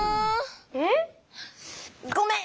ええ⁉ごめん！